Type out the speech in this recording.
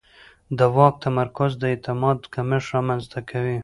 د واک تمرکز د اعتماد کمښت رامنځته کوي